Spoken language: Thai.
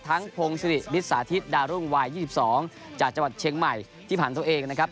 พงศิริมิตสาธิตดารุ่งวัย๒๒จากจังหวัดเชียงใหม่ที่ผ่านตัวเองนะครับ